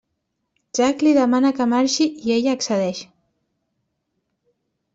Jack li demana que marxi i ella accedeix.